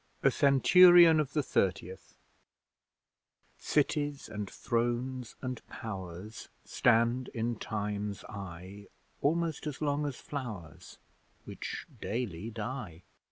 A CENTURION OF THE THIRTIETH Cities and Thrones and Powers Stand in Time's eye, Almost as long as flowers, Which daily die.